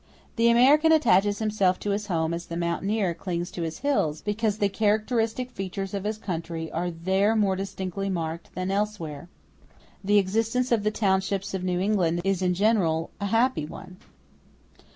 The American attaches himself to his home as the mountaineer clings to his hills, because the characteristic features of his country are there more distinctly marked than elsewhere. The existence of the townships of New England is in general a happy one.